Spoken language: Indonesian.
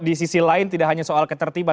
di sisi lain tidak hanya soal ketertiban